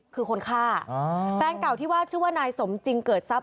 คือคนฆ่าแฟนเก่าที่ว่าชื่อว่านายสมจริงเกิดทรัพย